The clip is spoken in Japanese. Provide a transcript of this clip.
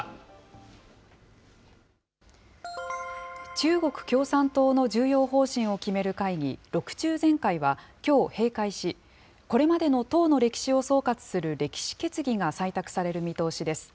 中国共産党の重要方針を決める会議、６中全会はきょう閉会し、これまでの党の歴史を総括する歴史決議が採択される見通しです。